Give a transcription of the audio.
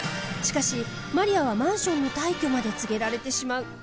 しかしマリアはマンションの退去まで告げられてしまう！